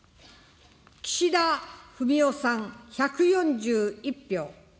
岸田文雄さん１４１票。